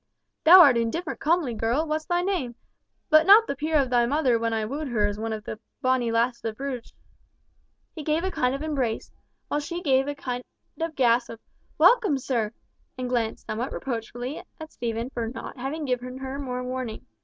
Thou art indifferent comely, girl, what's thy name? but not the peer of thy mother when I wooed her as one of the bonny lasses of Bruges." He gave a kind of embrace, while she gave a kind of gasp of "Welcome, sir," and glanced somewhat reproachfully at Stephen for not having given her more warning.